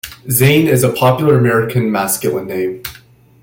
Zane is a popular American masculine name.